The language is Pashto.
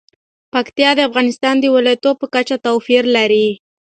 پکتیا د افغانستان د ولایاتو په کچه توپیر لري.